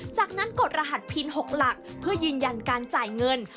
จากนั้นกดรหัสพิน๖หลักเพื่อยืนยันการจ่ายเงิน